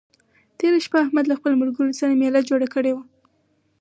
تېره شپه احمد له خپلو ملګرو سره مېله جوړه کړې وه.